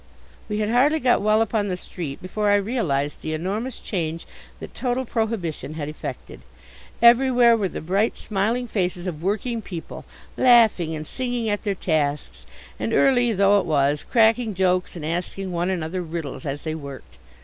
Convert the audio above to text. We had hardly got well upon the street before I realized the enormous change that total prohibition had effected. Everywhere were the bright smiling faces of working people, laughing and singing at their tasks, and, early though it was, cracking jokes and asking one another riddles as they worked.